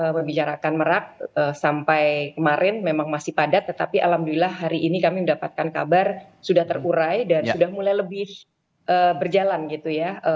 membicarakan merak sampai kemarin memang masih padat tetapi alhamdulillah hari ini kami mendapatkan kabar sudah terurai dan sudah mulai lebih berjalan gitu ya